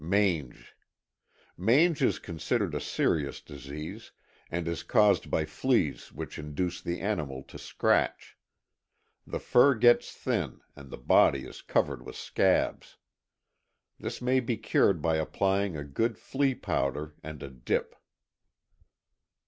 MangeŌĆöMange is considered a serious disease, and is caused by fleas which induce the animal to scratch. The fur gets thin and the body is covered with scabs. This may be cured by applying a good flea powder and a dip.